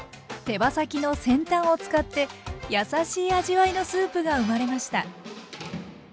手羽先の先端を使って優しい味わいのスープが生まれました。